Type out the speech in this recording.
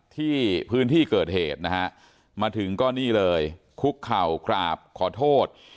ที่พื้นที่เกิดเหตุนะฮะมาถึงก็นี่เลยคุกเข่ากราบขอโทษ